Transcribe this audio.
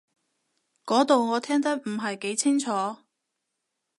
嗰度我聽得唔係幾清楚